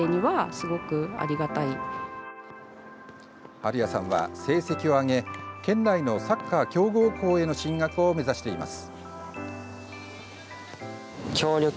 晴哉さんは成績を上げ県内のサッカー強豪校への進学を目指しています。